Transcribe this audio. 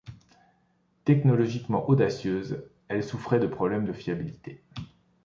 Technologiquement audacieuses, elles souffraient de problèmes de fiabilité.